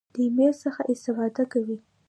د ایمیل څخه استفاده کوئ؟